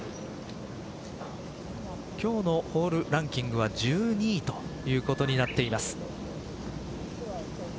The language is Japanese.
今日のホールランキングは１２位ということになっています。